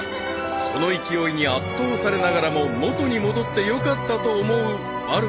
［その勢いに圧倒されながらももとに戻ってよかったと思うまる子であった］